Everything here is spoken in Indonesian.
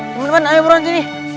temen temen ayo turun sini